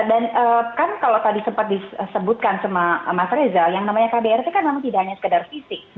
dan kan kalau tadi sempat disebutkan sama mas reza yang namanya kdrt kan namanya tidak hanya sekedar fisik